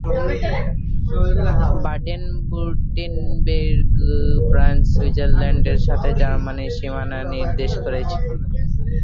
Baden-Württemberg France, সুইজারল্যান্ডের সাথে জার্মানির সীমানা নির্দেশ করেছে।